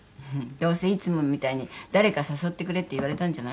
どうせいつもみたいに誰か誘ってくれって言われたんじゃない？